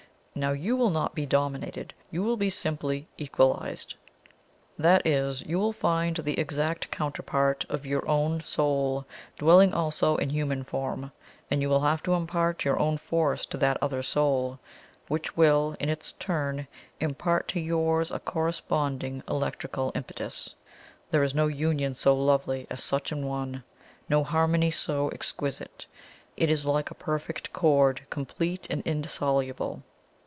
Now, you will not be dominated you will be simply EQUALIZED; that is, you will find the exact counterpart of your own soul dwelling also in human form, and you will have to impart your own force to that other soul, which will, in its turn, impart to yours a corresponding electric impetus. There is no union so lovely as such an one no harmony so exquisite; it is like a perfect chord, complete and indissoluble.